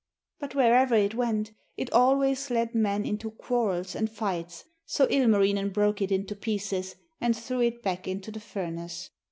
But wherever it went it always led men into quarrels and fights, so Ilmarinen broke it into pieces and threw it back into the furnace.